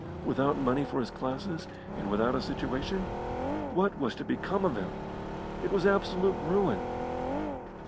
Without money for his classes, and without a situation what was to become of him? It was absolute ruin.